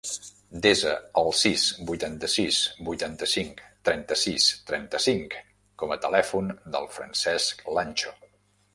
Desa el sis, vuitanta-sis, vuitanta-cinc, trenta-sis, trenta-cinc com a telèfon del Francesc Lancho.